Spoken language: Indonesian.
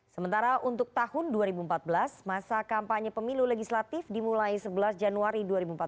sementara untuk tahun dua ribu empat belas masa kampanye pemilu legislatif dimulai sebelas januari dua ribu empat belas